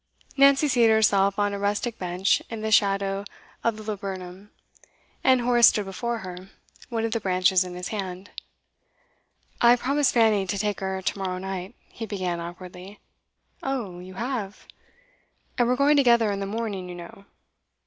Nancy seated herself on a rustic bench in the shadow of the laburnum, and Horace stood before her, one of the branches in his hand. 'I promised Fanny to take her to morrow night,' he began awkwardly. 'Oh, you have?' 'And we're going together in the morning, you know.